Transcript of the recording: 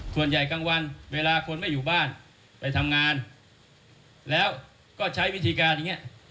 กลางวันเวลาคนไม่อยู่บ้านไปทำงานแล้วก็ใช้วิธีการอย่างนี้